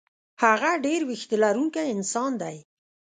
هغه ډېر وېښته لرونکی انسان دی.